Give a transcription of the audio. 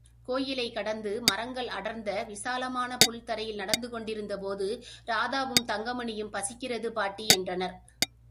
கோயிலைக் கடந்து மரங்கள் அடர்ந்த விசாலமான புல் தரையில் நடந்து கொண்டிருந்தபோது ராதாவும், தங்கமணியும் பசிக்கிறது பாட்டி என்றனர்.